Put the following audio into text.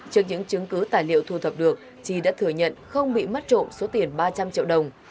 trước những chứng cứ tài liệu thu thập được chi đã thừa nhận không bị mất trộm số tiền ba trăm linh triệu đồng